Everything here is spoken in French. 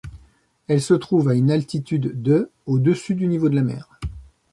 Elle se trouve à une altitude de au-dessus du niveau de la mer.